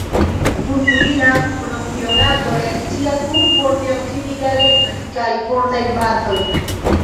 Furfurila propionato reakcias kun fortaj oksidigagentoj kaj fortaj bazoj.